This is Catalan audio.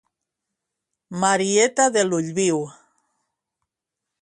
Marieta de l'ull viu